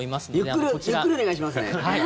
ゆっくりゆっくりお願いしますね。